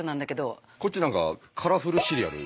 こっち何かカラフルシリアル。